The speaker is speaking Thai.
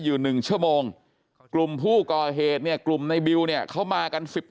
อยู่๑ชั่วโมงกลุ่มผู้ก่อเหตุเนี่ยกลุ่มในบิวเนี่ยเขามากัน๑๑